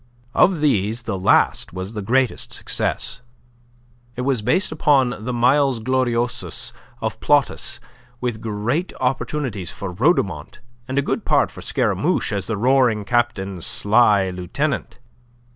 Of these the last was the greatest success. It was based upon the "Miles Gloriosus" of Plautus, with great opportunities for Rhodomont, and a good part for Scaramouche as the roaring captain's sly lieutenant.